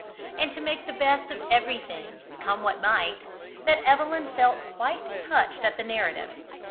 and to make the best of everything, come what might, that Evelyn felt quite touched at the narrative.